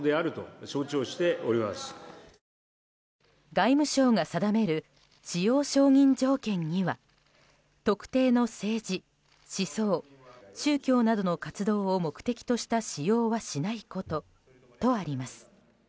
外務省が定める使用承認条件には特定の政治、思想、宗教などの活動を目的とした使用はしないこととあります。